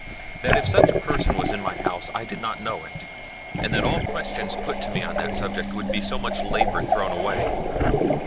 That if such a person was in my house I did not know it, and that all questions put to me on that subject would be so much labor thrown away."